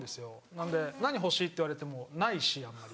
なので何欲しい？って言われてもないしあんまり。